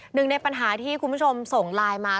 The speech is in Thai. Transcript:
หนึ่งในปัญหาที่คุณผู้ชมส่งไลน์มา